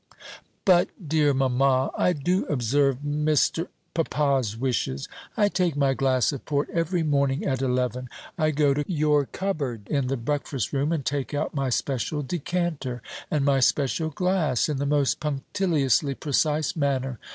"But, dear mamma, I do observe Mr. papa's wishes. I take my glass of port every morning at eleven. I go to your cupboard in the breakfast room and take out my special decanter, and my special glass, in the most punctiliously precise manner.